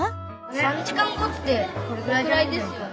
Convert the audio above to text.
３時間後ってこれくらいですよね？